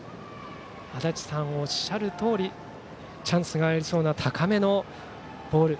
足達さんがおっしゃるとおりチャンスがありそうな高めのボール。